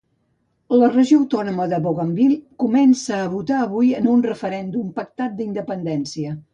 La Regió Autònoma de Bougainville comença a votar avui en un referèndum pactat d'independència.